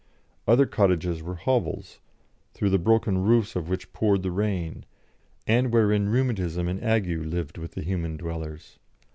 Other cottages were hovels, through the broken roofs of which poured the rain, and wherein rheumatism and ague lived with the human dwellers.